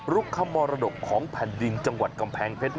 คำมรดกของแผ่นดินจังหวัดกำแพงเพชร